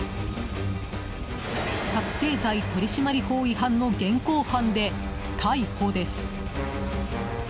覚醒剤取締法違反の現行犯で逮捕です。